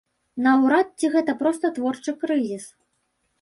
Наўрад ці гэта проста творчы крызіс.